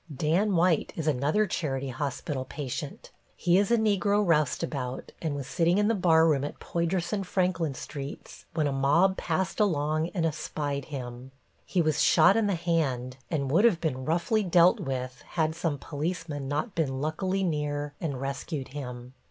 Dan White is another charity hospital patient. He is a Negro roustabout and was sitting in the bar room at Poydras and Franklin Streets when a mob passed along and espied him. He was shot in the hand, and would have been roughly dealt with had some policeman not been luckily near and rescued him.